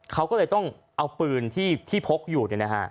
เขาก็เลยต้องเอาปืนที่พกอยู่เนี่ยนะฮะ